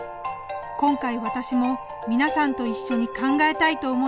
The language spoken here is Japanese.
今回私も皆さんと一緒に考えたいと思い